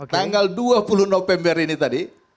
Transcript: tanggal dua puluh november ini tadi